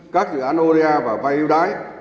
các dự án oda và vay ưu đãi